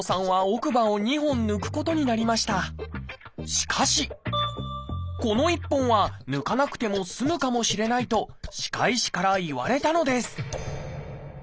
しかしこの１本は抜かなくても済むかもしれないと歯科医師から言われたのです